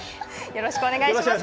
よろしくお願いします。